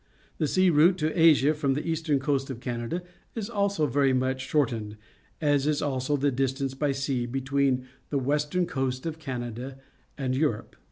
The sea route to Asia from the eastern coast of Canada is also very much shortened, as is A Lock in the Panama Canal also the distance by sea between the western coast of Canada and Europe.